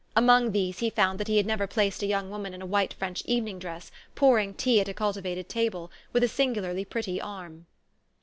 Among these he found that he had never placed a young woman in a white French evening dress, pouring tea at a cultivated table, with a singularly pretty arm.